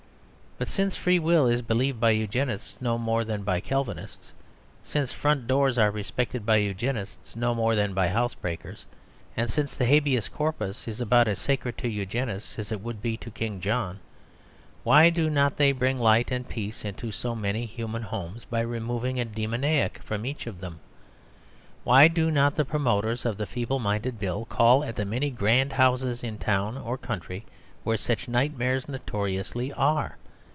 But since free will is believed by Eugenists no more than by Calvinists, since front doors are respected by Eugenists no more than by house breakers, and since the Habeas Corpus is about as sacred to Eugenists as it would be to King John, why do not they bring light and peace into so many human homes by removing a demoniac from each of them? Why do not the promoters of the Feeble Minded Bill call at the many grand houses in town or country where such nightmares notoriously are?